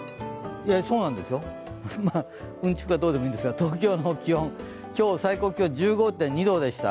そうなんですよ、うんちくはどうでもいいんですが、東京の気温、今日最高気温１５．２度でした。